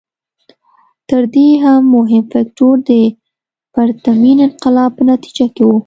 تر دې هم مهم فکټور د پرتمین انقلاب په نتیجه کې و.